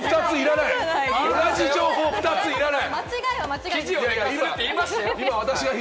同じ情報、２ついらない！